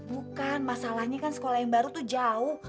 bukan masalahnya kan sekolah yang baru tuh jauh